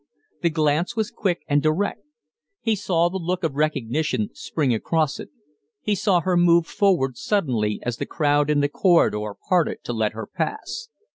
The glance was quick and direct. He saw the look of recognition spring across it; he saw her move forward suddenly as the crowd in the corridor parted to let her pass.